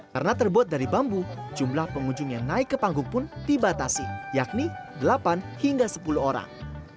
karena terbuat dari bambu jumlah pengunjung yang naik ke panggung pun dibatasi yakni delapan hingga sepuluh orang